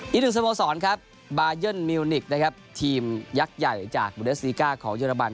อีกหนึ่งสมสอนบายันมิวนิกทีมยักษ์ใหญ่จากบูเดสนิก้าของเยอรมัน